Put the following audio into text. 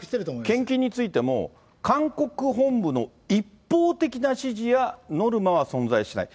献金についても、韓国本部の一方的な指示やノルマは存在しない。